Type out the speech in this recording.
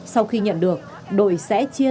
sau khi nhận được đội sẽ chia